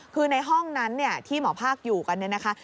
คือในห้องนั้นเนี่ยที่หมอภาคอยู่กันเนี่ยนะคะ